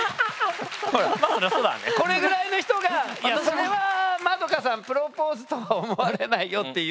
これぐらいの人がそれは円さんプロポーズとは思われないよっていう。